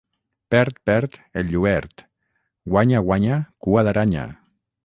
Perd, perd el lluert; guanya, guanya, cua d'aranya.